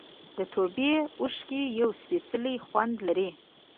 د توبې اوښکې یو سپېڅلی خوند لري.